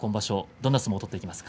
どんな相撲を取っていきますか？